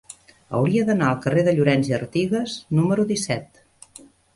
Hauria d'anar al carrer de Llorens i Artigas número disset.